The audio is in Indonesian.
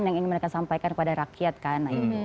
yang ingin mereka sampaikan kepada rakyat kan